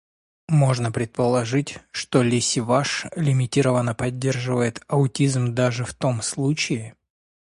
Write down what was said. Можно предположить, что лессиваж лимитированно поддерживает аутизм даже в том случае,